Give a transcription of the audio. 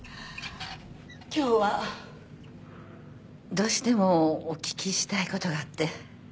どうしてもお聞きしたいことがあって。